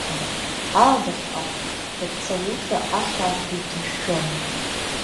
Аладахьҟа Бабца луҭра ахаа фҩы ҭышәшәон…